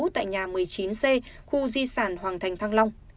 tại nhà một mươi chín c khu di sản hoàng thành thăng long